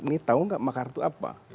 ini tau gak makar itu apa